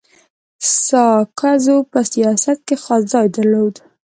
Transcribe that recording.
ساکزو په سیاست کي خاص ځای درلود.